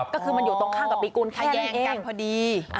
ก็คือมันอยู่ตรงข้างกับปีกูลแค่นี้เองแย้งกันพอดี